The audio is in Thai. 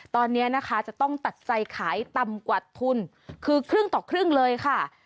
ตอนนี้นะคะจะต้องตัดใจขายต่ำกว่าทุนคือครึ่งต่อครึ่งเลยค่ะ